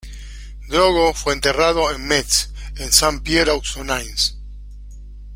Drogo fue enterrado en Metz en Saint-Pierre-aux-Nonnains.